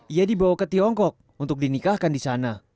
ia dibawa ke tiongkok untuk dinikahkan di sana